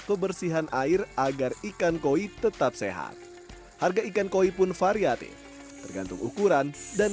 kebersihan air agar ikan koi tetap sehat harga ikan koi pun variatif tergantung ukuran dan